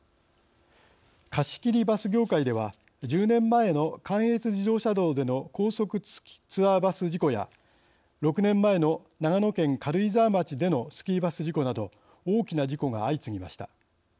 貸し切りバス業界では１０年前の関越自動車道での高速ツアーバス事故や６年前の長野県軽井沢町でのスキーバス事故など大きな事故が相次ぎました。